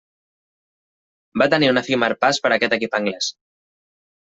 Va tenir un efímer pas per aquest equip anglès.